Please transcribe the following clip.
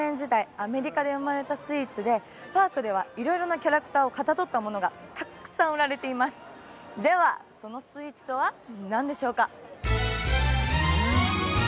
アメリカで生まれたスイーツでパークでは色々なキャラクターをかたどったものがたくさん売られていますではそのスイーツとは何でしょうか？